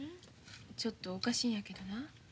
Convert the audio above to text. ちょっとおかしいんやけどな。